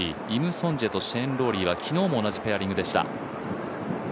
イム・ソンジェとシェーン・ローリーは昨日も同じペアリングでした。